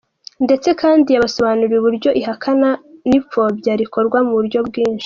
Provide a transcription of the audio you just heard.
Ndetse kandi yabasobanuriye uburyo ihakana n’ifobya rikorwa mu buryo bwinshi.